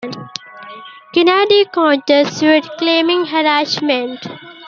Kennedy counter-sued claiming harassment.